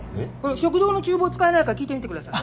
食堂の厨房使えないか聞いてみてください